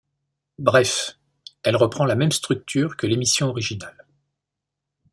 Bref, elle reprend la même structure que l'émission originale.